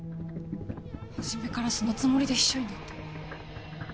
初めからそのつもりで秘書になったの？